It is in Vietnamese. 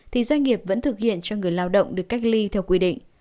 thì doanh nghiệp vẫn thực hiện cho người lao động được cách ly theo quy định